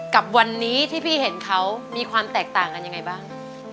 กับวันนี้ที่พี่เห็นเขามีความแตกต่างกันยังไงบ้าง